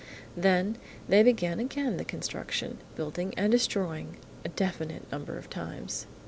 Then, they begin again the construction, building and destroying a definite number of times.